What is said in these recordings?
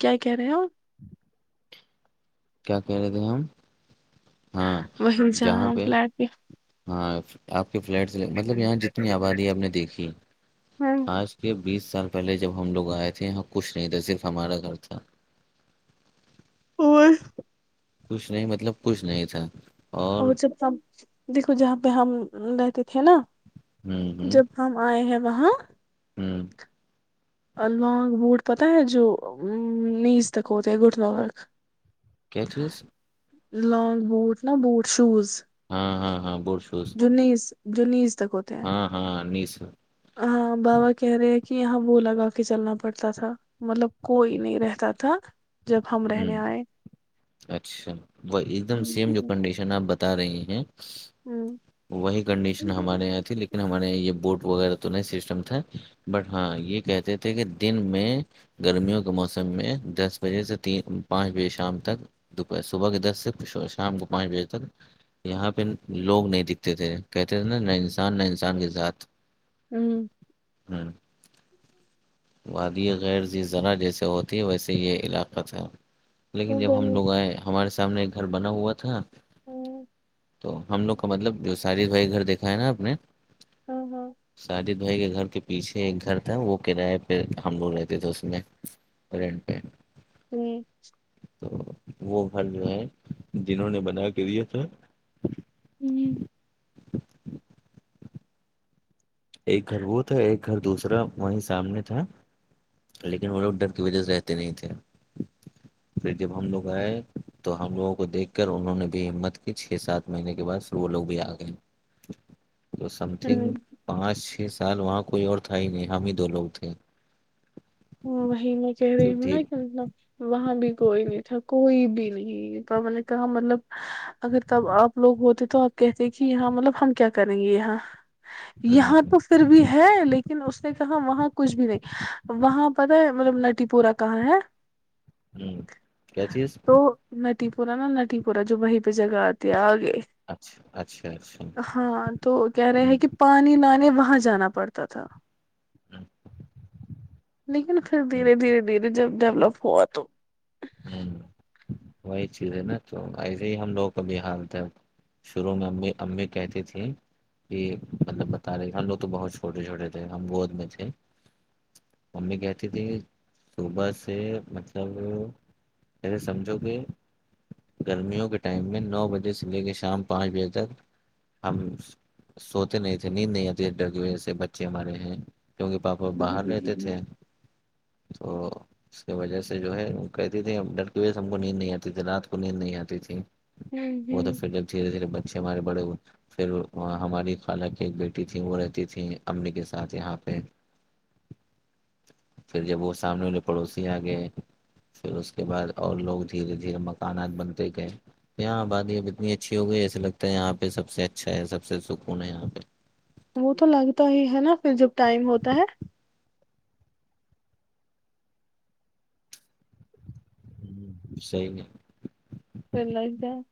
کیا کہہ رہے ہوپ کیا کہہ رہے تھے ہم ہاں وہی جہاں ہم پہ فلیٹ ہاں آپ کے فلیٹ سے مطلب یہاں جتنی آبادی آپ نے دیکھی ہوں یہ بیس سال پہلے جب ہم لوگ آئے تھے یہاں کچھ نہیں تھا صرف ہمارا گھر تھا اور کچھ نہیں مطلب کچھ نہیں تھا اور جب دیکھو جہاں پہ ہم رہتے تھے نا ہوں ہوں جب ہم آئے ہیں وہاں ہوں لانگ بوٹ پتاہ ہے جو نیز تک ہوتے ہے گھٹنوں تک کیا چیز لانگ بوٹ نا بوٹ شوز ہاں ہاں ہاں بوٹ سوز جو نیز جو نیز تک ہوتا ہے ہاں ہاں نیز ہاں بابا کہہ رہے ہیں کہ یہاں وہ لگا کے چلنا پڑتا تھا مطلب کوئی نہیں رہتا تھا جب ہم رہنے آئے اچھا وہ ایک ہ دم سیم جو ہ کنڈیشن آپ بتا بتا رہے ہیں ہوں وہی کنڈیشن ہمارے یہاں تھی لیکن لن ہمارے یہاں یہ بوٹ وغیرہ تو نہیں سسٹم تھا بٹ ہاں یہ کہتے تھے کہ دن میں گرمیوں کے موسم میں دس بجے سے تین پانچ بجے شام تک دوپہر صبح کے دس سے شام کو پانچ بجے تک یہاں پہ لوگ نہیں دکھتے تھے کہتے تھے نا نہ انسان نہ انسان کے زات ہوں ہاں وادی غیرضیزنا جیسے ہوتی ویسے یہ علاقہ تھا لیکن ہ جب ہم لوگ آئے ہمارے سامنے ایک گھر بنا ہوا تھا تو ہم لوگ کا مطلب جو ساجد بھائی گھر دیکھا ہے نا آپ نے ہاں ہاں ساجد بھائی کے گھر کے پیچھے ایک گھر تھا وہ کرای پہ ہم لوگ رہتے تھے اس میں رینٹ پہ ہوں تو وہ گھر جو ہے جنہوں نے بنا کے دے تھے ہوں ایک گھر وہ تھا ایک گھر دوسرا وہی سامنے تھا لیکن وہ لوگ ڈر کی وجہ سے رہتے نہیں تھے پھر جب ہم لوگ آئے تو ہم لوگوں کو دیکھ کر انہوں نے بھی ہمت کی چھ سات مہینے کے بعد وہ لوگ بھی آ گئے تو سم تھنگ پانچ چھ سال وہاں کوئی اور تھا ہی نہیں ہم ہی دو لوگ تھے ہاں وہی میں کہہ رہی پھر ہوں نا ٹھیک مطلب وہاں بھی کوئی نہیں تھا کوئی بھی نہیں بابا نے کہا مطلب اگر تب آپ لوگ ہوتے تو آپ کہتے کہ یہاں مطلب ہم کیا کریں گے یہاں ہوں یہاں تو ہوں پھر بھی ہے لیکن اس نے کہا وہاں کچھ بھی نہیں وہاں پتا ہے مطلب نٹی پورا کہاں ہے ہوں کیا چیز تو نٹی پورہ نا نٹی پورہ جو وہیں پہ جگہ آتی ہے آگے اچھا اچھا اچھا ہوں ہاں تو کہہ رہے ہیں کہ ہوں پانی نہانے وہاں جانا پڑتا تھا [unintelligible] لیکن پھر ہوں دھیرے دھیرے دھیرے جب ڈیولپ ہوا تو ہ وہی چیز ہے نا تو ایسے ہی ہم لوگوں کا بھی حالت ہے شروع میں ا امبمی کہتے تھے یہ مطلب بتا رہے ہم لوگ تو بہت چھوٹے چھوٹے تھے ہم گود میں تھے ممی کہتی تھی کہ صبح سے مطلب ا سمجھو کہ گرمیوں کے ٹائم میں نو بجے سے لے کے شام پانچ بجے تک ہمام سوتے نہیں تھے نیند نہیں آتی ا ڈر کی وجہ سے بچے ہمارے ہیں کیونکہ پاپا باہر رہتے تھے ہوں تو اس کی وجہ سے جو ہے کہتی تھی ڈرک ویس ہم کو نیند نہیں آتی تھی رات کو نیند نہیں آتی تھی وہ تو ہوں پھر جب دھیرے دھیرے بچے ہمارے بڑے ہوئے پھر ہماری خالہ کی ایک بیٹی تھی وہ رہتی تھیں امی کے ساتھ یہاں پہ [unintelligible] پھر جب وہ سامنے والے پڑوسی آ گئے پھر اس کے بعد اور لوگ دھیرے دھیرے مکانات بنتے گئے تو یہاں بادی اب اتنی اچھی ہو گئی ایسے لگتا ہے یہاں پہ سب سے اچھا ہے سب سکون ہے یہاں پہ وہ تو لگتا ہی ہے نا پھر جب ٹائم ہوتا ہے ہ صحی ہے پ لجد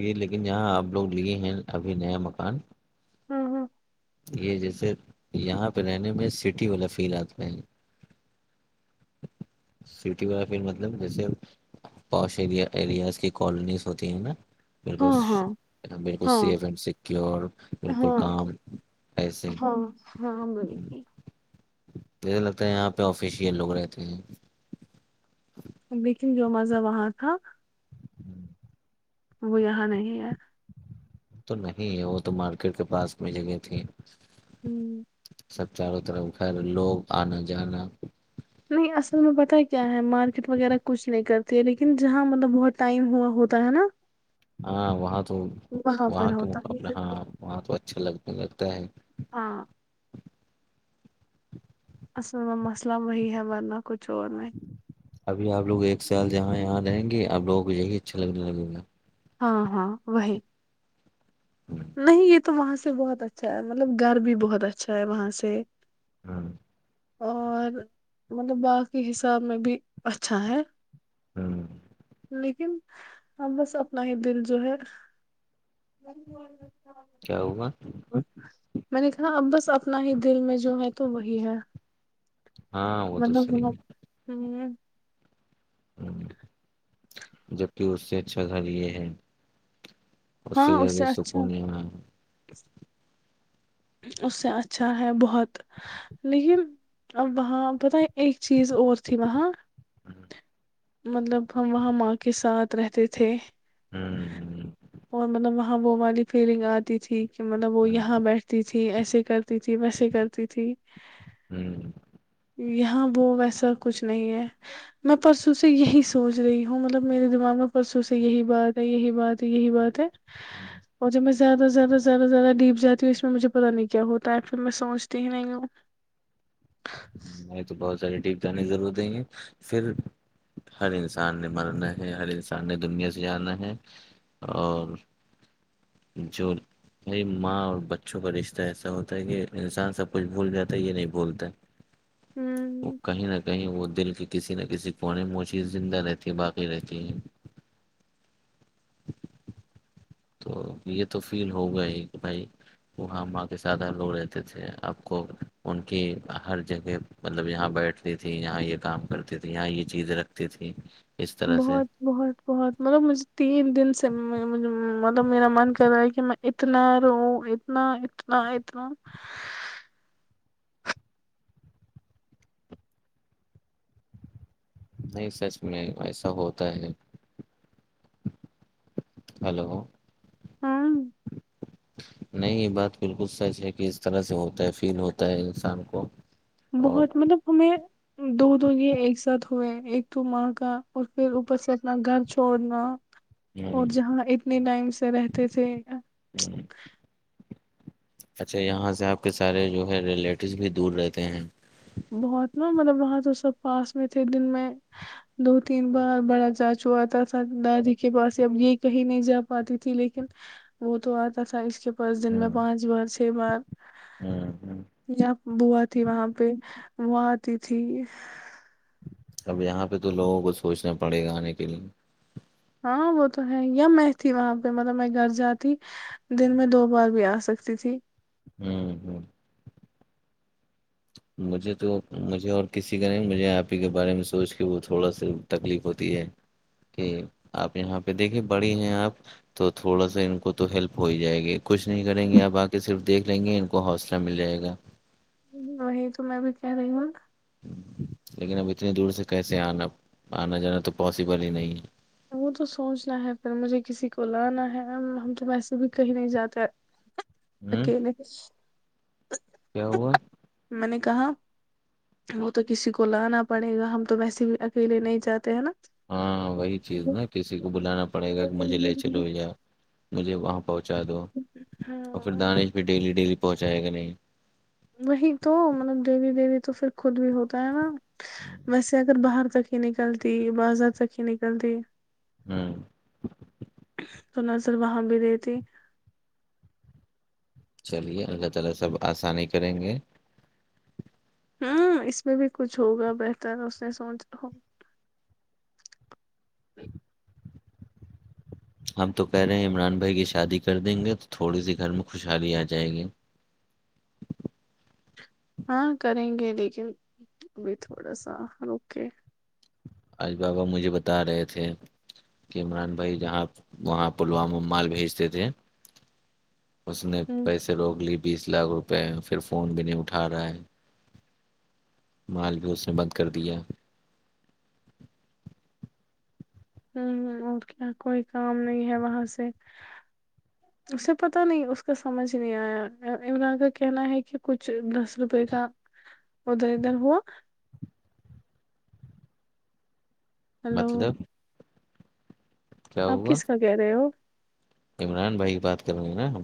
یہ لیکن یہاں آپ لوگ لیے ہیں ابھی نیا مکان ہوں ہوں یہ جیسے یہاں پہ رہنے میں سٹی والا فیلات میں سٹی والا پھر مطلب جیسے پوش ایر ایریاز کی کالونیز ہوتی ہیں نا بالک ہاں ہاں بالکل ہاں سیف اینڈ سیکیور بالکل ہاں کام ایسے ہاں ہاں مئی ت جیسا لگتا ہے یہاں پہ آفیشیل لوگ رہتے ہیں لیکن جو مزہ وہاں تھا وہ یہاں نہیں ہے تو نہیں وہ تو مارکیٹ کے پاس میں جگہ تھی ہوں سب چاروں طرف گھر لوگ آنا جانا نہیں اصل میں پتا کیا ہے مارکیٹ وغیرہ کچھ نہیں کر لیکن جہاں مطلب بہت ٹائم ہوا ہوتا ہے نا ہاں وہاں تو وہاں پر کے ہوتا مقابلے ہے ہاں وہاں تو اچھا لگ لگتا ہے ہاں اصل میں مسئلہ وہی ہے ورنہ کچھ اور میں ابھی آپ لوگ ایک سال جہاں یہاں رہیں گے آپ لوگوں کو یہی اچھا لگنے لگے گا ہاں ہاں وہ [unintelligible] نہیں یہ تو وہاں سے بہت اچھا ہے مطلب گھر بھی بہت اچھا ہے وہاں سے ہاں اور مطلب باقی حساب میں بھی اچھا ہے ہوں لیکم [unintelligible] ہاں بس اپنا ہی دل جو ہے کیا ہوگا میں نے کہا اب بس اپنا ہی دل میں جو ہے تو وہی ہے ہاں وہ تو مطلب ہ صحیح ہ [inaudible] جبک اس سے اچھا گھر یہ ہے اس سے زیادہ سکونیا ہے اس سے اچھا ہے بہت لیکن ا وہاں پت ایک چیز اور تھی وہاں مطلب ہم وہاں ماں کے ساتھ رہتے تھے ہوں [inaudible] اور مطلب وہاں وہ ہمی فیلنگ آتی تھی کہ مطلب وہ یہاں بیٹھ تھی ایسے کرتی تھی ویسے کرتی تھی ہوں یہاں وہ ویسا کچھ نہیں ہے میں پرسوں سے یہی سوچ رہی ہوں مطلب میرے دماغ میں پرسوں سے یہی بات ہے یہی بات ہے یہی بات ہے اور جب میں زیادہ سے زیادہ زیادہ زیادہ ڈیپ جاتی ہوں اس میں مجھے پتا نہیں کیا ہوتا ہے پھر میں سوچتی ہی نہیں ہوں ہم تو بہت سارے ٹپ جانے ضرور دیں گے پھر ہر انسان نے مرنا ہے ہر انسان نے دنیا سے جا ہے اور جو بھائی ماں اور بچوں کا رشتہ ایسا ہوتا ہے کہ انسان سب کچھ بھول جاتا ہے یہ نہیں بھولتا وہ ہ کہیں نہ کہیں وہ دل کی کسی نہ کسی پونے موشی زندہ رہتی ہے باقی رہتی ہے [inaudible] تو یہ تو فیل ہو گیا ہی کہ بھائی وہاں ماں کے سادھ لوگ رہتے تھے آپ کو ان کی ہر جگہ مطلب یہاں بیٹھتی تھی یہاں یہ کام کرتی تھی یہاں یہ چیزیں رکھتی تھی اس طرح سے بہت بہت بہت مطلب مجھے تین دن سے مطلب میرا من کر رہا ہے کہ میں اتنا رو اتنا اتنا اتنا نہیں سچ میں ایسا ہوتا ہے ہلو ہاں نہیں یہ بات بالکل سچ ہے کہ اس طرح سے ہوتا ہے فیل ہوتا ہے انسان کو اور بہت مطلب ہمیں دو دو یہ ایک ساتھ ہوئے ایک تو ماں کا اور پھر اوپر سے اپنا گھر چھوڑنا ہوں اور جہاں اتنے ٹائم سے رہتے تھے ہوں اچھا یہاں سے آپ کے سارے جو ہے ریلیٹیوز بھی دور رہتے ہیں بہت نا مطلب وہاں تو سب پاس میں تھے دن میں دو تین بار بڑا چاچو آتا تھا دادی کے پاس اب یہ کہیں نہیں جا پاتی تھی لیکن وہ تو آتا تھا اس کے فس دن میں ہوں پانچ بار چھ بار ہوں ہوں بوا تھی وہاں پہ وات تھی [inaudible] اب یہاں پہ تو لوگوں کو سوچنا پڑے گا آنے کے لیئے ہاں وہ تو ہے یا میں تھی وہاں پہ مطلب میں گھر جاتی دن میں دو بار بھی آ سکتی تھی ہوں ہوں مجھے تو مجھے اور کسی کا نہیں مجھے آپ ہی کے بارے میں سوچ کے وہ تھوڑا سا تکلیف ہوتی ہے کہ آپ یہاں پہ دیکھے بڑی ہیں آپ تو تھوڑا سا ان کو تو ہیلپ ہو ہی جائے گی کچھ نہیں کریں گے آپ آ کے صرف دیکھ لیں گے کو حوصلہ مل جائے گا وہی تو میں بھی کہہ رہی ہوں لیکن اب اتنی دور سے کیسے آنا آنا جانا تو پاسبل ہی نہیں ہے وہ تو سوچنا ہے پ مجھے کسی کو لانا ہے ہم تو ویسے بھی کہیں نہیں جاتے ہے ہوں اکیل کیا ہوا میں نے کہا وہ تو کسی کو لانا پڑے گا ہم تو ویسے بھی اکیلے نہیں جاتے ہیں نا ہاں وہی چیز نا کسی کو بلانا پڑے گا کہ مجھے لے چلو یا مجھے وہاں پہنچا دو اور پھر ہاں دانش بھی ڈیلی ڈیلی پہنچائے گا نہیں وہی تو مطلب دیوی دیوی تو پھر خود بھی ہوتا ہے نا ویسے اگر باہر تک ہی سکھی نکلتی بازات سکھی نکلتی ہاں تو نظر وہاں بھی دیتی چلیے اللہ تعالی سب اسانی کریں گے ہاں اس میں بھی کچھ ہوگا بہتر اس نے سوچ رہا ہو [inaudible] ہم تو کہہ رہے ہیں عمران بھائی کی شادی کر دیں گے تو تھوڑی سی گھر میں خوشحالی آ جائے گی ہاں کریں گے لیکن ابھی تھوڑا سا روکے آج بابا مجھے بتا رہے تھے کہ عمران بھائی جہاں وہاں پلوامہ مال بھیجتے تھے اس نے ہوں پیسے روک لی بیس لاکھ روپئے پھر فون بھی نہیں اٹھا رہا ہے مال بھی اس نے بند کر دیا ہ اور کیا کوئی کام نہیں ہے وہاں سے اسے پتاہ نہیں اس کا سمجھ نہیں آیا عمران کا کہنا ہے کہ کچھ نس روپے کا اد در ہوا ہلو مطلب کیا آپ ہوا کس کا کہہ رہے ہو عمران بھائی کی بات کر رہیں گ ہیں نا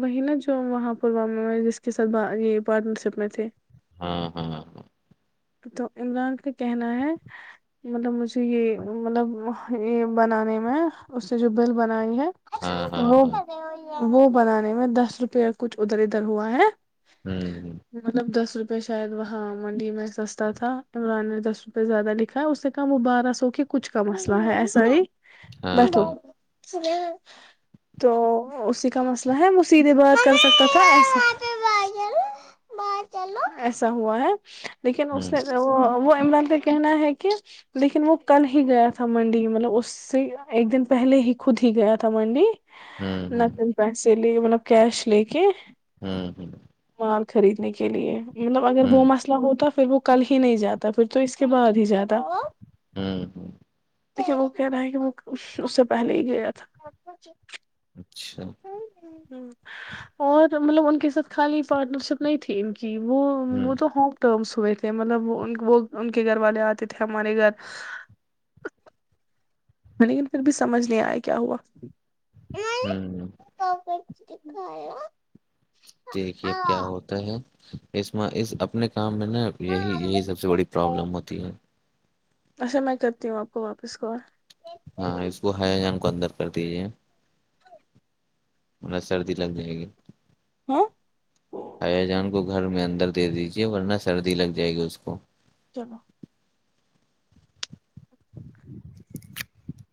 وہی نا جو وہاں پلوامہ میں جس کے ساتھ یہ پارٹنر شپ میں تھے ہاں ہاں تو عمران کا کہنا ہے مطلب مجھے یہ مطلب یہ بنانے میں اس نے جو بل بنائی ہے ہاں تو ہاں وہ ہاں ہاں وہ بنانے میں دس روپیہ کچھ ادھر ادھر ہوا ہے ہوں ہ مطلب دس روپئے شاید وہاں منڈی میں سستا تھا عمران نے دس روپئے زیادہ لکھا ہے اس سے کم وہ بارہ سو کے کچھ کا مسئلہ ہے ایسا ہی ہاں بیٹھو ہاں تو اسی کا مسئلہ ہے میں سیدھے بات کر سکتا تھا ایسا ایسا ہوا ہے لیکن اس ہوں نے وہ وہ عمران کا کہنا ہے کہ لیکن وہ کل ہی گیا تھا منڈی مطلب اس سے ایک دن پہلے ہی خود ہی گیا تھا منڈی ہوں نہ ہوں کہیں پیسے لے مطلب کیش لے کے ہوں مال خریدنے کے لیے مطلب اگر ہوں وہ مسئلہ ہوتا پھر وہ کل ہی نہیں جاتا پھر تو اس کے بعد ہی جاتا ہاں وہ کہہ رہا ہے کہ وہ اس سے پہلے ہی گیا تھا اچھا اور مطلب ان کے ساتھ خالی پارٹنر شپ نہیں تھی ان کی وہ ہوں وہ تو ہوم ٹرمس کوئے تھے مطلب وہ وہ ان کے گھر والے آتے تھے ہمارے گھر لیکن پھر بھی سمجھ نہیں آیا کیا ہوا ہوں کا کر کت ب ہےا [inaudible] دیکھیے اب کیا ہوتا ہے اس میں اس اپنے کام میں نا یہی یہی سب سے بڑی پرابلم ہوتی ہے اچھا میں کرتی ہوں آپ کو واپس کال ہاں اس کو ہیا جان کو اندر کر دیجیے مطلب سرد لگ ج ہے گی ہوں حیا جان کو گھر میں اندر دے دیجے ورنہ سردی لگ جائے گی اس کو چلو [inaudible]